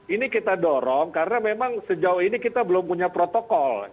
ini kita dorong karena memang sejauh ini kita belum punya protokol